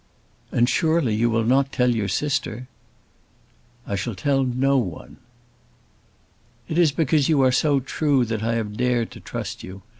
"And surely you will not tell your sister!" "I shall tell no one." "It is because you are so true that I have dared to trust you.